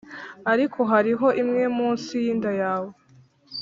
ariko hariho imwe munsi yinda yawe,